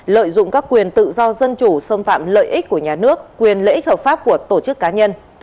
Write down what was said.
lợi dụng các quyền tự do dân chủ xâm phạm lợi ích của nhà nước quyền lợi ích hợp pháp của tổ chức cá nhân